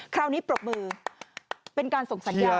คราวนี้ปรบมือเป็นการส่งสัญญาณ